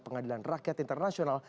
pengadilan rakyat internasional